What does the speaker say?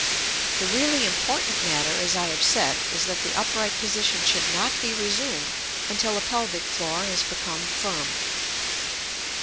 The really important matter, as I have said, is that the upright position should not be resumed until the pelvic floor has become firm.